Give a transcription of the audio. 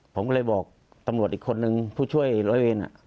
ผมก็เลยบอกตำรวจอีกคนนึงผู้ช่วยร้อยเวร